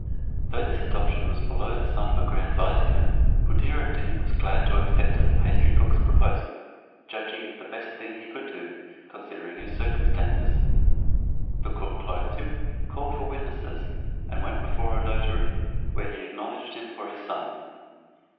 Though this adoption was below the son of a grand vizier, Buddir ad Deen was glad to accept of the pastry cook's proposal, judging it the best thing he could do, considering his circumstances. The cook clothed him, called for witnesses, and went before a notary, where he acknowledged him for his son.